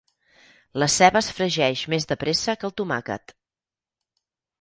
La ceba es fregeix més de pressa que el tomàquet.